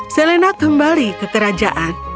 selenatu kembali ke kerajaan